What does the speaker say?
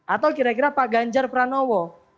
atau kira kira pak ganjar pranowo